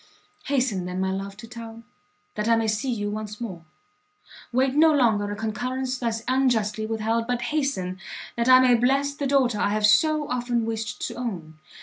Hasten then, my love, to town, that I may see you once more! wait no longer a concurrence thus unjustly with held, but hasten, that I may bless the daughter I have so often wished to own!